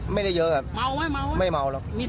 มีสตินะ